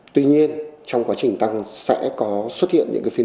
tuy nhiên trong quá trình tăng sẽ có xuất hiện những phiên